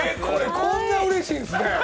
これ、こんなうれしいんすね